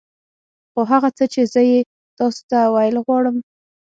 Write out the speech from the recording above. خو هغه څه چې زه يې تاسو ته ويل غواړم.